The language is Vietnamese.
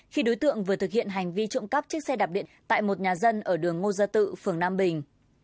khi đối tượng vừa thực hiện hành vi trộm cắp chiếc xe đạp điện tại một nhà dân ở đường ngô gia tự phường nam bình